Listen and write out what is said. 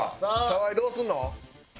澤井どうすんの？